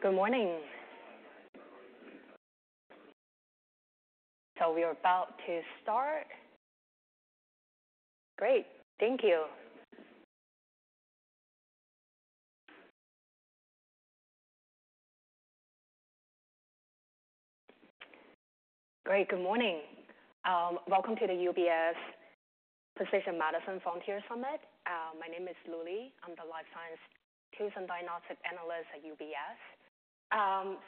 Hello. Good morning. We are about to start. Great. Thank you. Great. Good morning. Welcome to the UBS Precision Medicine Frontiers Summit. My name is Lu Li. I'm the Life Science Tools and Diagnostics Analyst at UBS.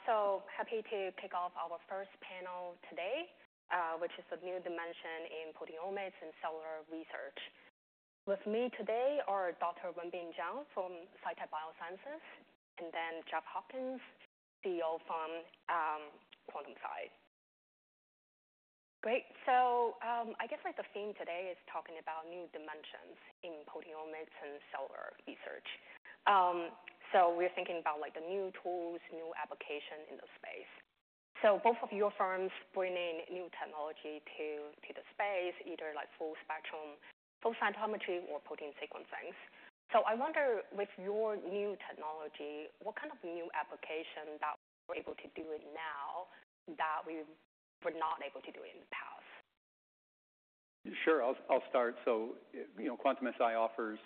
So happy to kick off our first panel today, which is a new dimension in proteomics and cellular research. With me today are Dr. Wenbin Jiang from Cytek Biosciences and Jeff Hawkins, CEO from Quantum-Si. Great. I guess the theme today is talking about new dimensions in proteomics and cellular research. We're thinking about the new tools, new applications in the space. Both of your firms bring in new technology to the space, either full spectrum protein sequencing. I wonder, with your new technology, what kind of new applications are we able to do now that we were not able to do in the past? Sure. I'll start. Quantum-Si offers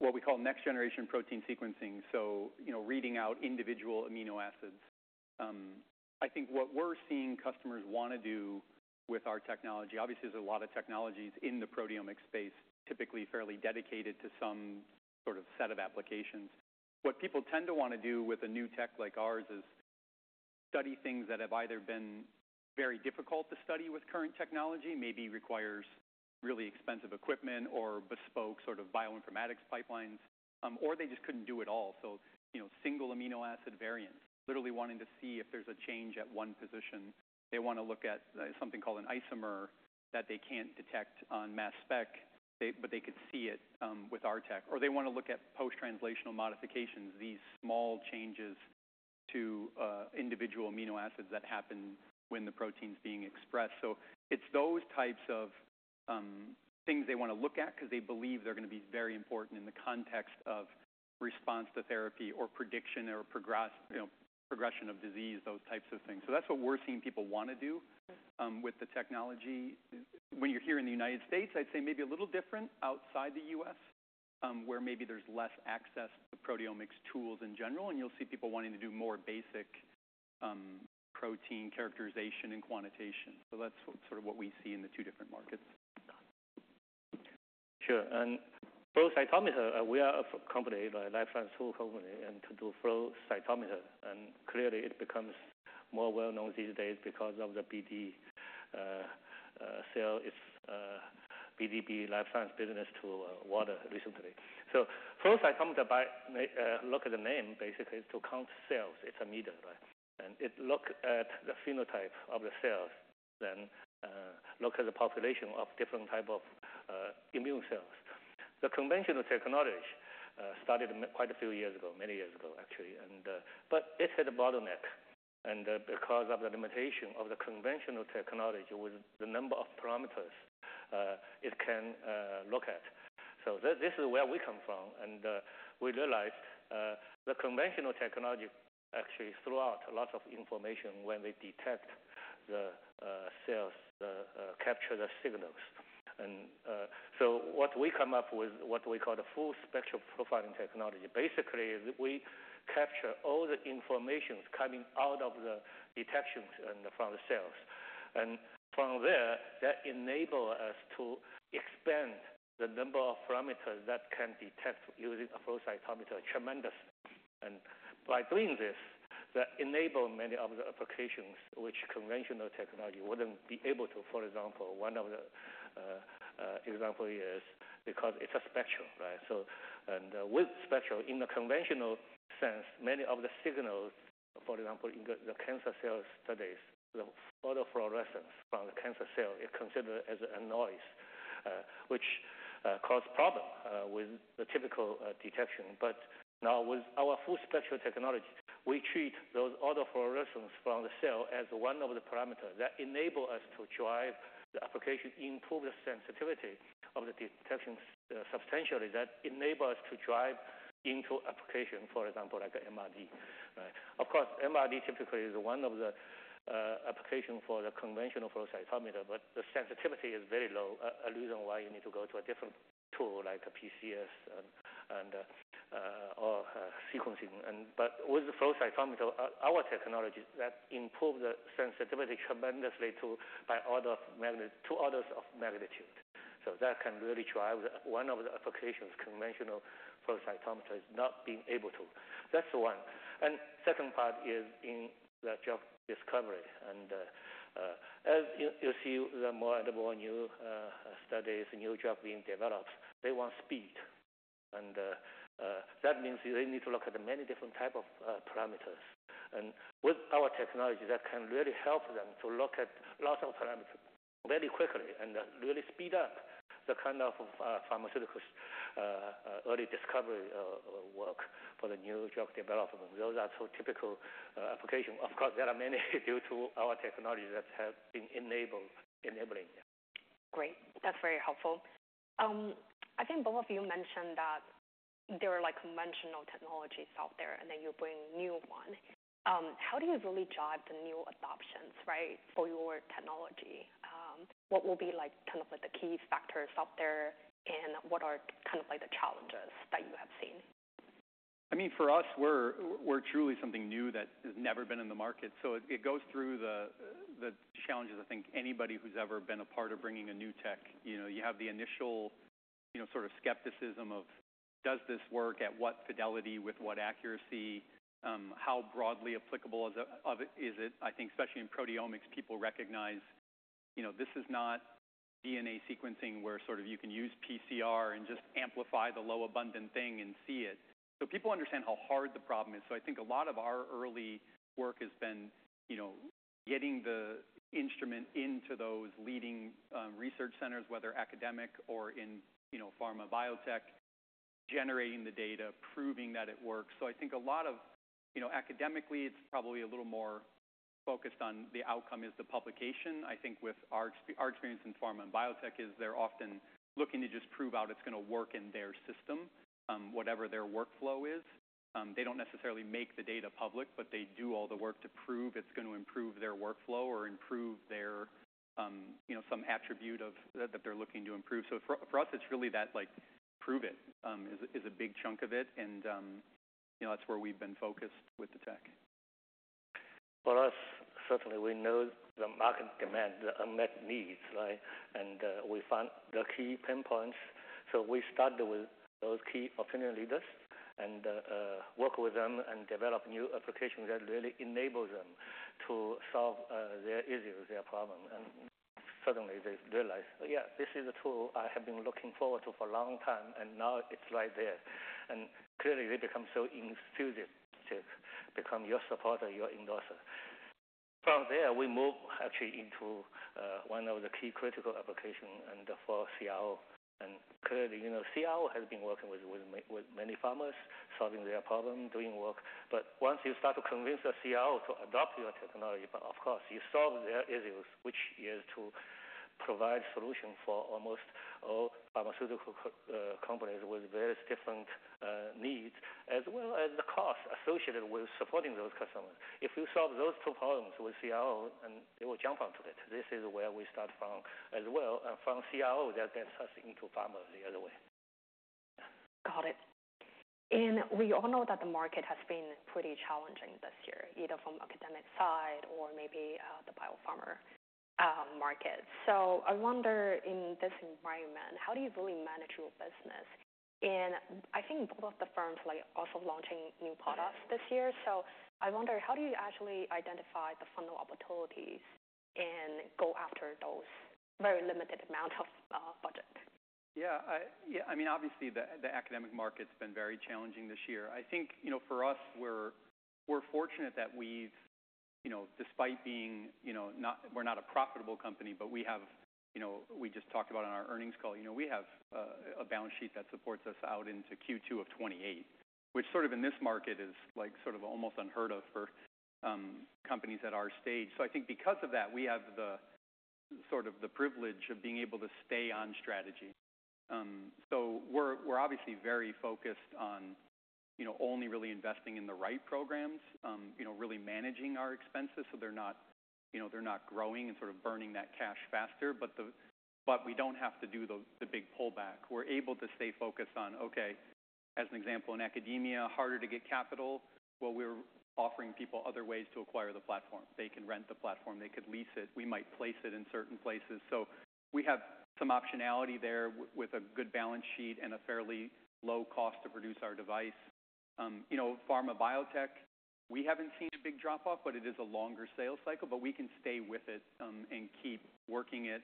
what we call next-generation protein sequencing, reading out individual amino acids. I think what we're seeing customers want to do with our technology, obviously, there's a lot of technologies in the proteomics space typically fairly dedicated to some sort of set of applications. What people tend to want to do with a new tech like ours is study things that have either been very difficult to study with current technology, maybe requires really expensive equipment or bespoke sort of bioinformatics pipelines, or they just couldn't do it at all. Single amino acid variants, literally wanting to see if there's a change at one position. They want to look at something called an isomer that they can't detect on mass spectrometry, but they could see it with our tech. They want to look at post-translational modifications, these small changes to individual amino acids that happen when the protein is being expressed. It's those types of things they want to look at because they believe they're going to be very important in the context of response to therapy or prediction or progression of disease, those types of things. That's what we're seeing people want to do with the technology. When you're here in the U.S., I'd say maybe a little different outside the U.S., where maybe there's less access to proteomics tools in general, and you'll see people wanting to do more basic protein characterization and quantitation. That's sort of what we see in the two different markets. Sure. Flow cytometer, we are a company, a life science tool company, and we do flow cytometer, and clearly it becomes more well-known these days because of the BDD Life Science business tool Waters recently. Flow cytometer, by look at the name, basically it's to count cells. It's a meter, right? It looks at the phenotype of the cells, then looks at the population of different types of immune cells. The conventional technology started quite a few years ago, many years ago actually, but it had a bottleneck because of the limitation of the conventional technology with the number of parameters it can look at. This is where we come from. We realized the conventional technology actually threw out lots of information when they detect the cells, capture the signals. What we come up with, what we call the Full Spectrum Profiling technology, basically we capture all the information coming out of the detections and from the cells. From there, that enables us to expand the number of parameters that can detect using a flow cytometer, tremendously. By doing this, that enables many of the applications which conventional technology wouldn't be able to. For example, one of the examples is because it's a spectrum, right? With spectrum in the conventional sense, many of the signals, for example, in the cancer cell studies, the autofluorescence from the cancer cell is considered as a noise, which causes problems with the typical detection. Now with our full spectrum technology, we treat those autofluorescence from the cell as one of the parameters that enable us to drive the application, improve the sensitivity of the detection substantially, that enable us to drive into application, for example, like MRD, right? Of course, MRD typically is one of the applications for the conventional flow cytometer, but the sensitivity is very low, a reason why you need to go to a different tool like PCS and or sequencing. With the flow cytometer, our technology improves the sensitivity tremendously to orders of magnitude. That can really drive one of the applications conventional flow cytometry is not being able to. That's one. The second part is in the drug discovery. As you see, the more and more new studies, new drugs being developed, they want speed. That means they need to look at many different types of parameters. With our technology, that can really help them to look at lots of parameters very quickly and really speed up the kind of pharmaceutical early discovery work for the new drug development. Those are two typical applications. Of course, there are many due to our technology that have been enabling. Great. That's very helpful. I think both of you mentioned that there are like conventional technologies out there and then you bring new ones. How do you really drive the new adoptions, right, for your technology? What will be like kind of like the key factors out there and what are kind of like the challenges that you have seen? I mean, for us, we're truly something new that has never been in the market. It goes through the challenges. I think anybody who's ever been a part of bringing a new tech, you know, you have the initial sort of skepticism of does this work, at what fidelity, with what accuracy, how broadly applicable is it? I think especially in proteomics, people recognize this is not DNA sequencing where you can use PCR and just amplify the low abundant thing and see it. People understand how hard the problem is. I think a lot of our early work has been getting the instrument into those leading research centers, whether academic or in pharma biotech, generating the data, proving that it works. Academically, it's probably a little more focused on the outcome as the publication. I think with our experience in pharma and biotech, they're often looking to just prove out it's going to work in their system, whatever their workflow is. They don't necessarily make the data public, but they do all the work to prove it's going to improve their workflow or improve some attribute that they're looking to improve. For us, it's really that prove it is a big chunk of it. That's where we've been focused with the tech. For us, certainly we know the market demand, the unmet needs, right? We found the key pinpoints. We started with those key opinion leaders and worked with them and developed new applications that really enable them to solve their issues, their problems. Suddenly they realize, yeah, this is a tool I have been looking forward to for a long time and now it's right there. Clearly they become so enthusiastic to become your supporter, your endorser. From there, we move actually into one of the key critical applications and for CRO. Clearly, you know, CRO has been working with many pharma, solving their problems, doing work. Once you start to convince the CRO to adopt your technology, of course you solve their issues, which is to provide solutions for almost all pharmaceutical companies with various different needs as well as the costs associated with supporting those customers. If you solve those two problems with CRO, they will jump onto it. This is where we start from as well and from CRO that gets us into pharma the other way. Got it. We all know that the market has been pretty challenging this year, either from the academic side or maybe the biopharma market. I wonder in this environment, how do you really manage your business? I think both the firms are also launching new products this year. I wonder how do you actually identify the funding opportunities and go after those very limited amounts of budget? Yeah. I mean, obviously the academic market's been very challenging this year. I think for us, we're fortunate that we've, despite being, you know, not we're not a profitable company, but we have, we just talked about on our earnings call, we have a balance sheet that supports us out into Q2 of 2028, which in this market is almost unheard of for companies at our stage. I think because of that, we have the privilege of being able to stay on strategy. We're obviously very focused on only really investing in the right programs, really managing our expenses so they're not growing and burning that cash faster. We don't have to do the big pullback. We're able to stay focused on, okay, as an example, in academia, harder to get capital. We're offering people other ways to acquire the platform. They can rent the platform. They could lease it. We might place it in certain places. We have some optionality there with a good balance sheet and a fairly low cost to produce our device. Pharma biotech, we haven't seen a big drop-off, but it is a longer sales cycle, but we can stay with it and keep working it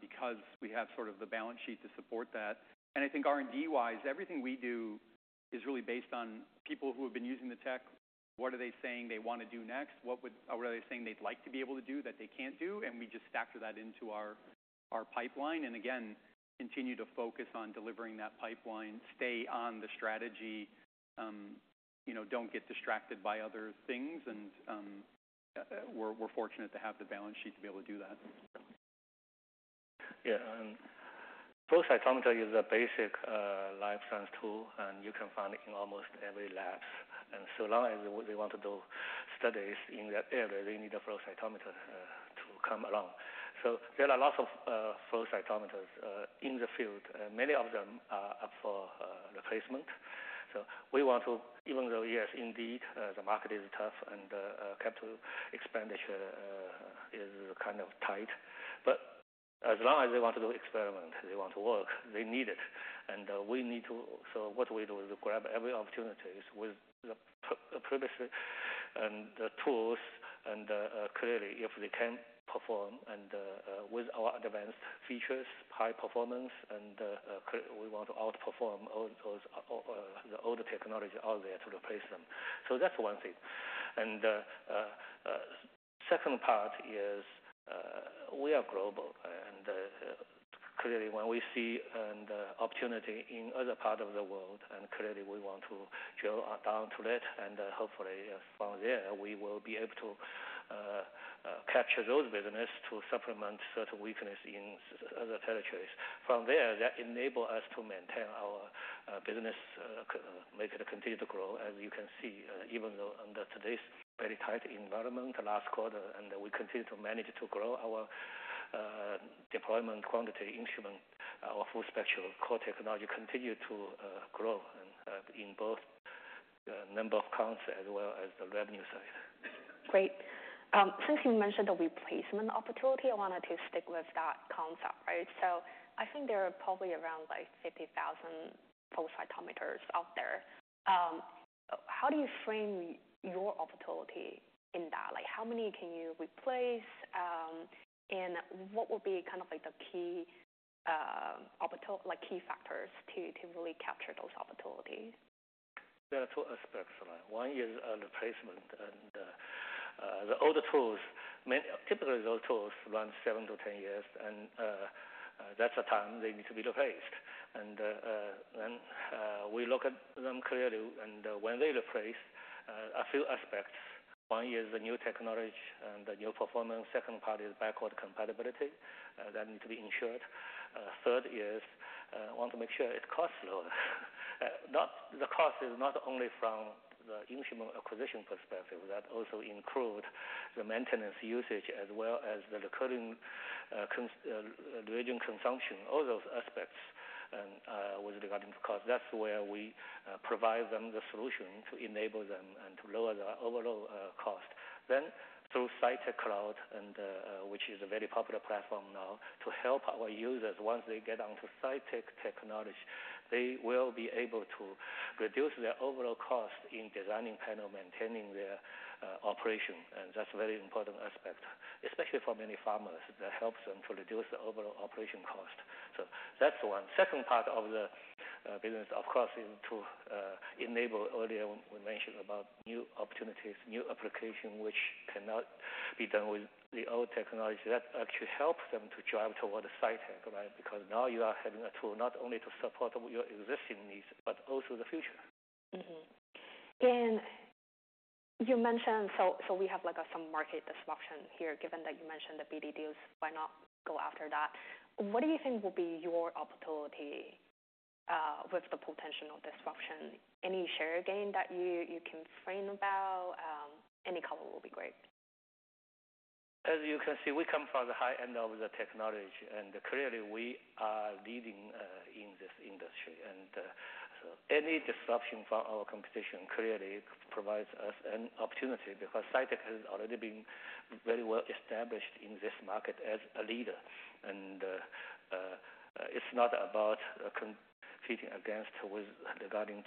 because we have the balance sheet to support that. I think R&D-wise, everything we do is really based on people who have been using the tech. What are they saying they want to do next? What are they saying they'd like to be able to do that they can't do? We just factor that into our pipeline and again continue to focus on delivering that pipeline, stay on the strategy, don't get distracted by other things. We're fortunate to have the balance sheet to be able to do that. Yeah. Flow cytometer is a basic life science tool and you can find it in almost every lab. As long as they want to do studies in that area, they need a flow cytometer to come along. There are lots of flow cytometers in the field. Many of them are up for replacement. We want to, even though yes, indeed the market is tough and the capital expenditure is kind of tight, as long as they want to do experiments, they want to work, they need it. What we do is grab every opportunity with the privacy and the tools. Clearly, if they can perform and with our advanced features, high performance, we want to outperform all those older technologies out there to replace them. That's one thing. The second part is we are global. Clearly, when we see an opportunity in other parts of the world, we want to drill down to it, and hopefully from there we will be able to capture those businesses to supplement certain weaknesses in other territories. From there, that enables us to maintain our business, make it continue to grow. As you can see, even though under today's very tight environment last quarter, we continue to manage to grow our deployment quantity instrument, our full spectrum core technology continues to grow in both the number of counts as well as the revenue side. Great. Since you mentioned the replacement opportunity, I wanted to stick with that concept, right? I think there are probably around 50,000 flow cytometers out there. How do you frame your opportunity in that? How many can you replace? What would be the key opportunity, key factors to really capture those opportunities? There are two aspects. One is replacement. The older tools, typically those tools run 7-10 years, and that's the time they need to be replaced. We look at them clearly. When they replace, a few aspects. One is the new technology and the new performance. The second part is backward compatibility that needs to be ensured. Third is we want to make sure it costs lower. The cost is not only from the instrument acquisition perspective, that also includes the maintenance usage as well as the recurring consumption, all those aspects. With regarding the cost, that's where we provide them the solution to enable them and to lower their overall cost. Through Cytek Cloud, which is a very popular platform now, to help our users, once they get onto Cytek technology, they will be able to reduce their overall cost in designing panels, maintaining their operation. That's a very important aspect, especially for many farmers. That helps them to reduce the overall operation cost. That's one. The second part of the business, of course, is to enable, earlier we mentioned about new opportunities, new applications which cannot be done with the old technology. That actually helps them to drive towards Cytek, right? Because now you are having a tool not only to support your existing needs, but also the future. You mentioned, we have some market disruption here, given that you mentioned the BDDs. Why not go after that? What do you think will be your opportunity with the potential disruption? Any share gain that you can frame about? Any color will be great. As you can see, we come from the high end of the technology. Clearly, we are leading in this industry. Any disruption from our competition clearly provides us an opportunity because Cytek has already been very well established in this market as a leader. It's not about competing against regarding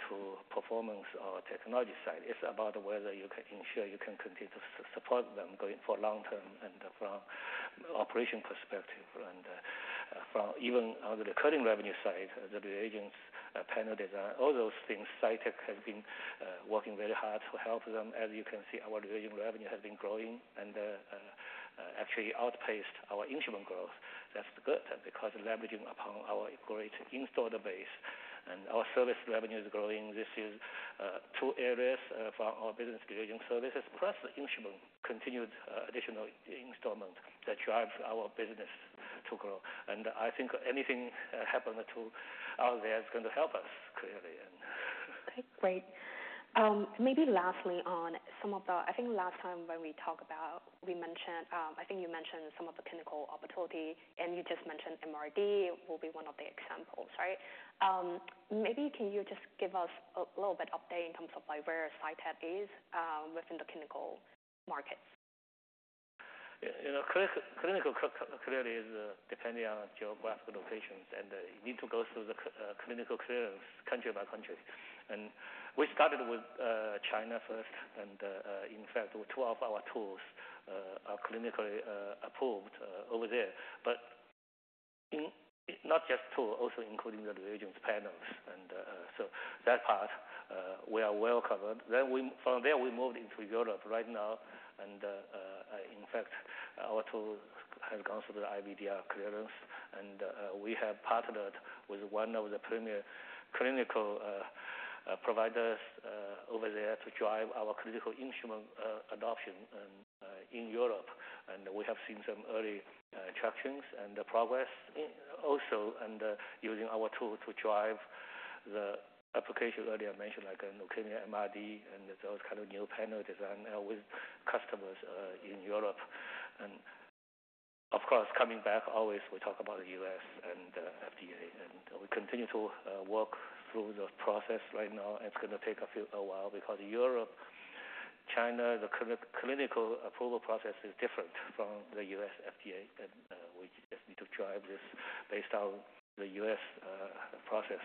performance or technology side. It's about whether you can ensure you can continue to support them going for long term and from an operation perspective. Even on the recurring revenue side, the reagents, panel design, all those things, Cytek has been working very hard to help them. As you can see, our reagent revenue has been growing and actually outpaced our instrument growth. That's good because leveraging upon our great installed base and our service revenue is growing. This is two areas from our business, reagent services plus the instrument continued additional installment, that drives our business to grow. I think anything happening out there is going to help us clearly. Great. Maybe lastly on some of the, I think last time when we talked about, we mentioned, I think you mentioned some of the clinical opportunities and you just mentioned MRD will be one of the examples, right? Maybe can you just give us a little bit of update in terms of like where Cytek is within the clinical markets? Clinical clearly is depending on geographic locations and you need to go through the clinical clearance country by country. We started with China first. In fact, two of our tools are clinically approved over there, not just tools, also including the reagent panels. That part, we are well covered. From there, we moved into Europe right now. In fact, our tool has gone through the IVDR clearance. We have partnered with one of the premier clinical providers over there to drive our clinical instrument adoption in Europe. We have seen some early traction and progress also, and using our tool to drive the application earlier mentioned like leukemia, MRD, and those kind of new panel designs with customers in Europe. Of course, coming back, always we talk about the U.S. and FDA. We continue to work through the process right now. It's going to take a while because in Europe, China, the clinical approval process is different from the U.S. FDA. We just need to drive this based on the U.S. process.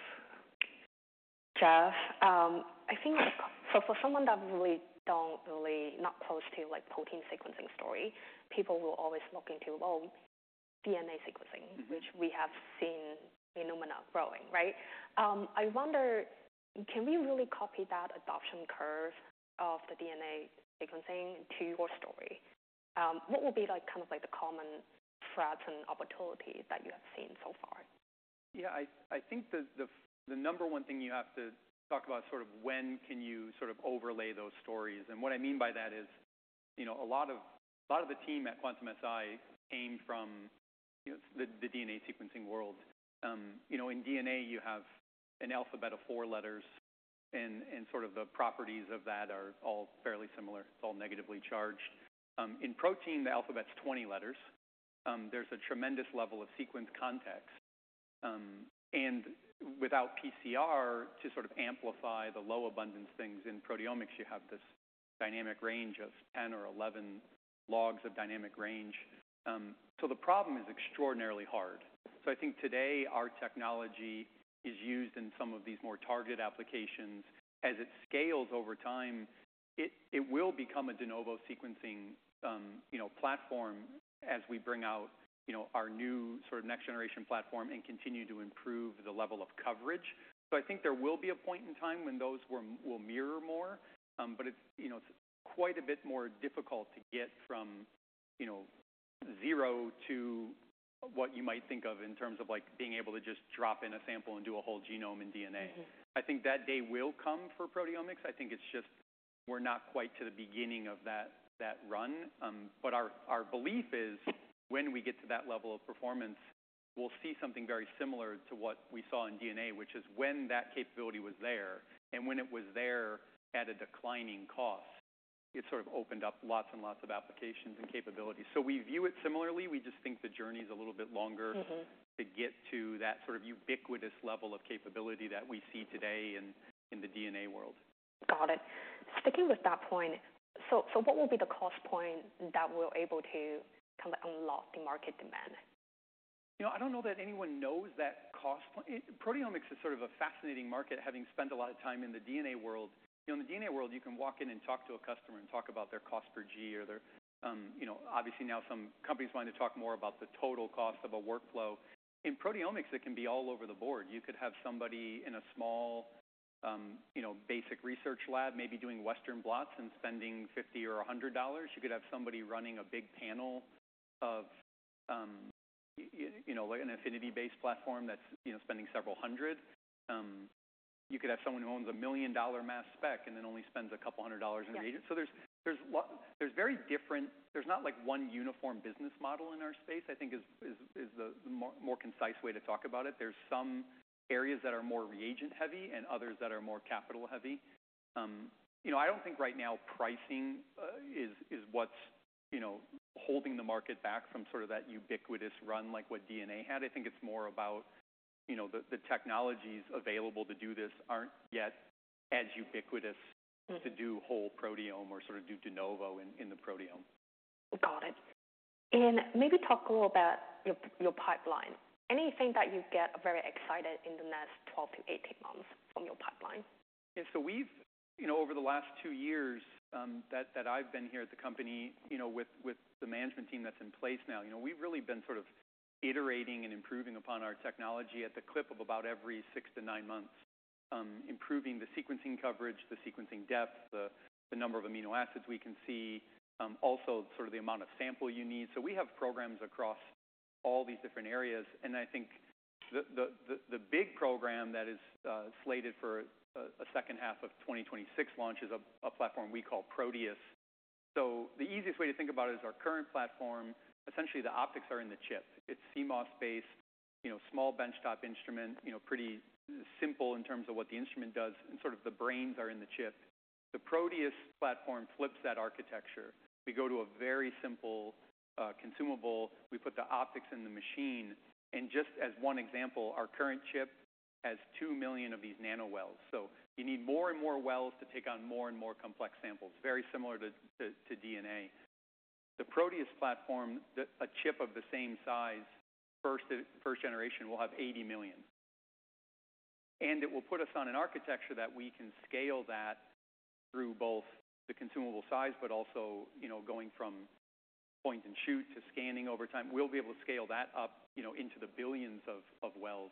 Jeff, I think for someone that really not really close to like protein sequencing story, people will always look into, well, DNA sequencing, which we have seen in Illumina growing, right? I wonder, can we really copy that adoption curve of the DNA sequencing to your story? What would be like kind of like the common threats and opportunities that you have seen so far? Yeah, I think the number one thing you have to talk about is when can you overlay those stories. What I mean by that is, a lot of the team at Quantum-Si came from the DNA sequencing world. In DNA, you have an alphabet of four letters, and the properties of that are all fairly similar. It's all negatively charged. In protein, the alphabet's 20 letters. There's a tremendous level of sequence context. Without PCR to amplify the low abundance things in proteomics, you have this dynamic range of 10 or 11 logs of dynamic range. The problem is extraordinarily hard. I think today our technology is used in some of these more targeted applications. As it scales over time, it will become a de novo sequencing platform as we bring out our new next-generation platform and continue to improve the level of coverage. I think there will be a point in time when those will mirror more. It's quite a bit more difficult to get from zero to what you might think of in terms of being able to just drop in a sample and do a whole genome in DNA. I think that day will come for proteomics. I think it's just we're not quite to the beginning of that run. Our belief is when we get to that level of performance, we'll see something very similar to what we saw in DNA, which is when that capability was there, and when it was there at a declining cost, it opened up lots and lots of applications and capabilities. We view it similarly. We just think the journey is a little bit longer to get to that ubiquitous level of capability that we see today in the DNA world. Got it. Sticking with that point, what will be the cost point that we're able to kind of unlock the market demand? I don't know that anyone knows that cost point. Proteomics is sort of a fascinating market, having spent a lot of time in the DNA world. In the DNA world, you can walk in and talk to a customer and talk about their cost per G or their, you know, obviously now some companies want to talk more about the total cost of a workflow. In proteomics, it can be all over the board. You could have somebody in a small, basic research lab maybe doing Western blots and spending $50 or $100. You could have somebody running a big panel of, like an affinity-based platform that's spending several hundred. You could have someone who owns a $1 million mass spec and then only spends a couple hundred dollars in reagents. There are very different, there's not like one uniform business model in our space, I think is the more concise way to talk about it. There are some areas that are more reagent heavy and others that are more capital heavy. I don't think right now pricing is what's holding the market back from that ubiquitous run like what DNA had. I think it's more about the technologies available to do this aren't yet as ubiquitous to do whole proteome or sort of do de novo in the proteome. Got it. Maybe talk a little about your pipeline. Anything that you get very excited in the next 12-18 months from your pipeline? Yeah, over the last two years that I've been here at the company, with the management team that's in place now, we've really been iterating and improving upon our technology at the clip of about every six to nine months, improving the sequencing coverage, the sequencing depth, the number of amino acids we can see, also the amount of sample you need. We have programs across all these different areas. I think the big program that is slated for a second half of 2026 launch is a platform we call Proteus. The easiest way to think about it is our current platform, essentially the optics are in the chip. It's CMOS-based, small benchtop instrument, pretty simple in terms of what the instrument does, and the brains are in the chip. The Proteus platform flips that architecture. We go to a very simple consumable. We put the optics in the machine. Just as one example, our current chip has 2 million of these nanowells. You need more and more wells to take on more and more complex samples, very similar to DNA. The Proteus platform, a chip of the same size, first generation will have 80 million. It will put us on an architecture that we can scale that through both the consumable size, but also, going from point and shoot to scanning over time, we'll be able to scale that up into the billions of wells.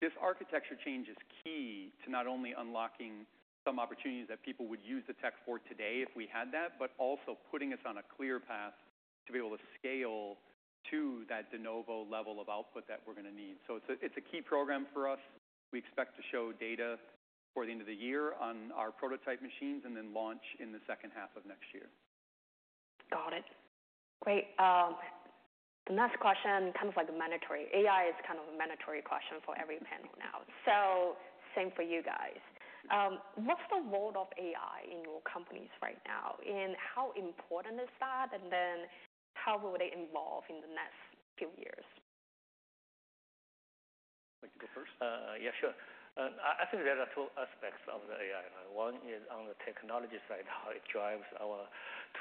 This architecture change is key to not only unlocking some opportunities that people would use the tech for today if we had that, but also putting us on a clear path to be able to scale to that de novo level of output that we're going to need. It's a key program for us. We expect to show data toward the end of the year on our prototype machines and then launch in the second half of next year. Got it. Great. The next question, kind of like a mandatory, AI is kind of a mandatory question for every man now. Same for you guys. What's the role of AI in your companies right now? How important is that? How will they evolve in the next few years? Yeah, sure. I think there are two aspects of the AI. One is on the technology side, how it drives our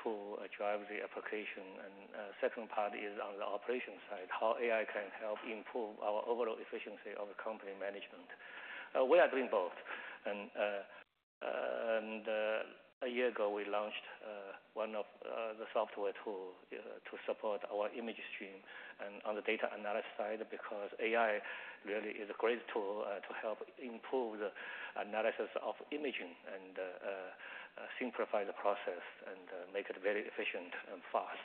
tools, drives the application. The second part is on the operation side, how AI can help improve our overall efficiency of company management. We are doing both. A year ago, we launched one of the software tools to support our image stream. On the data analysis side, because AI really is a great tool to help improve the analysis of imaging and simplify the process and make it very efficient and fast,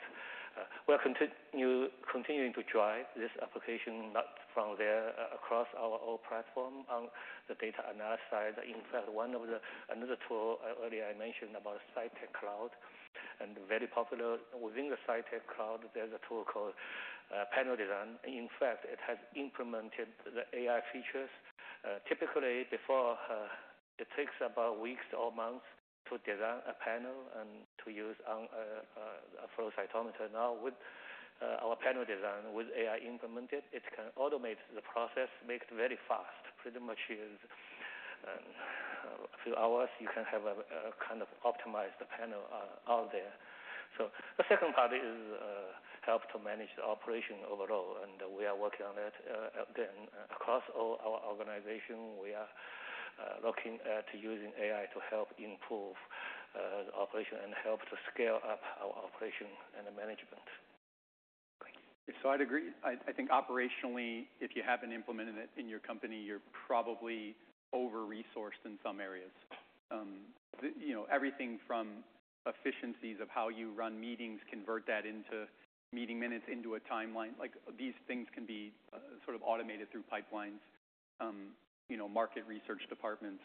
we are continuing to drive this application across our own platform on the data analysis side. In fact, another tool earlier I mentioned about Cytek Cloud, and very popular within the Cytek Cloud, there's a tool called Panel Design. In fact, it has implemented the AI features. Typically, before it takes about weeks or months to design a panel and to use a flow cytometer. Now with our panel design, with AI implemented, it can automate the process, make it very fast. Pretty much in a few hours, you can have a kind of optimized panel out there. The second part is help to manage the operation overall. We are working on that again across all our organizations. We are looking at using AI to help improve the operation and help to scale up our operation and management. I agree. I think operationally, if you haven't implemented it in your company, you're probably over-resourced in some areas. Everything from efficiencies of how you run meetings, convert that into meeting minutes into a timeline, these things can be sort of automated through pipelines. Market research departments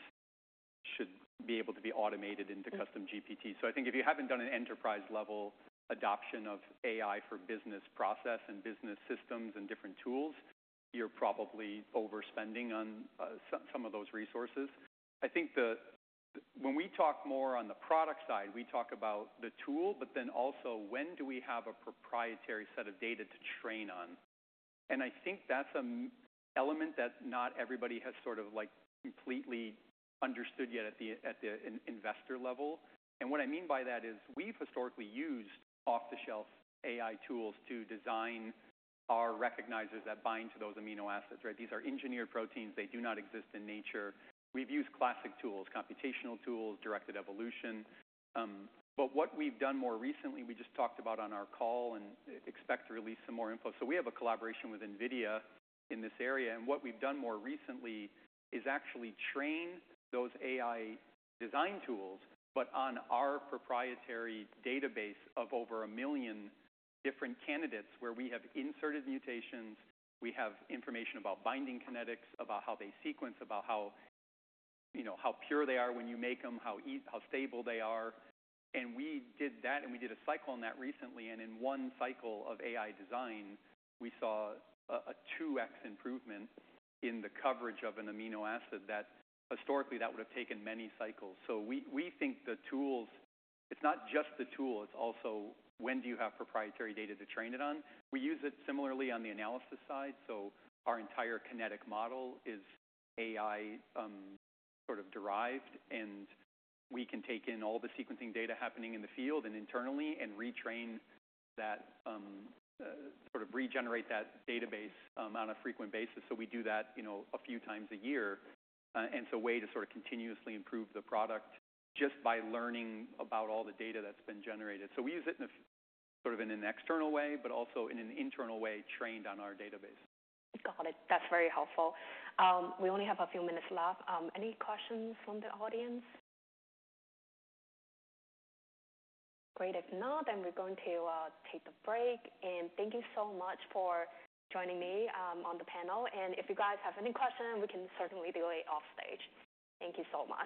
should be able to be automated into custom GPTs. I think if you haven't done an enterprise-level adoption of AI for business process and business systems and different tools, you're probably overspending on some of those resources. When we talk more on the product side, we talk about the tool, but also when do we have a proprietary set of data to train on. I think that's an element that not everybody has completely understood yet at the investor level. What I mean by that is we've historically used off-the-shelf AI tools to design our recognizers that bind to those amino acids, right? These are engineered proteins. They do not exist in nature. We've used classic tools, computational tools, directed evolution. What we've done more recently, we just talked about on our call and expect to release some more info. We have a collaboration with NVIDIA in this area. What we've done more recently is actually train those AI design tools, but on our proprietary database of over a million different candidates where we have inserted mutations. We have information about binding kinetics, about how they sequence, about how pure they are when you make them, how stable they are. We did that, and we did a cycle on that recently. In one cycle of AI design, we saw a 2x improvement in the coverage of an amino acid that historically would have taken many cycles. We think the tools, it's not just the tool, it's also when do you have proprietary data to train it on. We use it similarly on the analysis side. Our entire kinetic model is AI sort of derived. We can take in all the sequencing data happening in the field and internally and retrain that, sort of regenerate that database on a frequent basis. We do that a few times a year. It's a way to continuously improve the product just by learning about all the data that's been generated. We use it in a sort of an external way, but also in an internal way trained on our database. Got it. That's very helpful. We only have a few minutes left. Any questions from the audience? Great. If not, we're going to take a break. Thank you so much for joining me on the panel. If you guys have any questions, we can certainly do it off stage. Thank you so much.